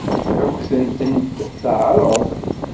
Ad kent-tent-teɛṛeḍ?